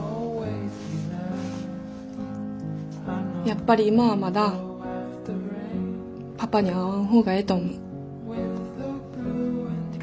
やっぱり今はまだパパに会わん方がええと思う。